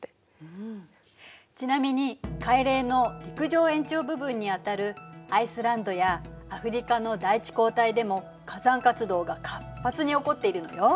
ちなみに海嶺の陸上延長部分にあたるアイスランドやアフリカの大地溝帯でも火山活動が活発に起こっているのよ。